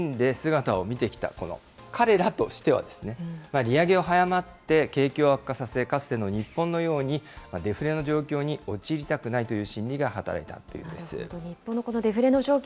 どういうことかといいますと、日本が長年、苦しんで姿を見てきたこの彼らとしては、利上げを早まって景気を悪化させ、かつての日本のようにデフレの状況に陥りたくないという心理が働いたというなるほど。